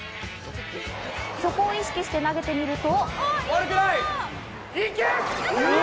そこを意識して投げてみると。